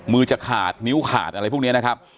มือจะขาดนิ้วขาดอะไรพวกนี้นะครับ